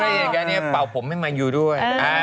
ในบริเวณอย่างนี้นะเป่าผมให้มายูด้วย